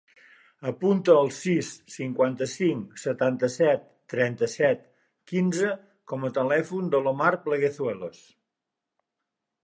Apunta el sis, cinquanta-cinc, setanta-set, trenta-set, quinze com a telèfon de l'Omar Pleguezuelos.